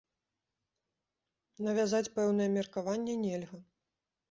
Навязаць пэўнае меркаванне нельга.